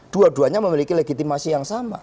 dua duanya memiliki legitimasi yang sama